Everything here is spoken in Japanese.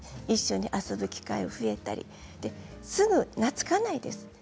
一緒に遊ぶ機会が増えたりすぐに懐かないです。